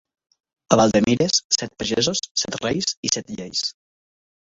A Vilademires, set pagesos, set reis i set lleis.